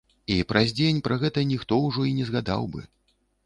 І праз дзень пра гэта ніхто ўжо і не згадаў бы.